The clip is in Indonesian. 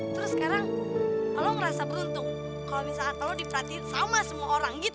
terus sekarang lo ngerasa beruntung kalau misalkan lo diperhatiin sama semua orang gitu